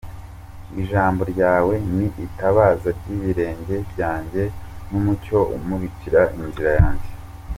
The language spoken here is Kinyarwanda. Ijambo ryawe ni itabaza ry’ibirenge byanjye, n’umucyo umurikira inzira yanjye.